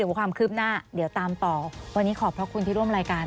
วันนี้ขอบพระคุณที่ร่วมรายการ